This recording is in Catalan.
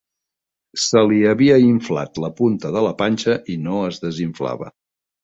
Se li havia inflat la punta de la panxa i no es desinflava.